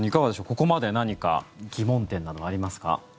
ここまで何か疑問点などありますか？